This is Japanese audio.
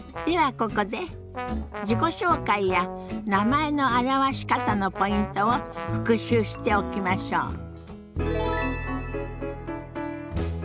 ではここで自己紹介や名前の表し方のポイントを復習しておきましょう。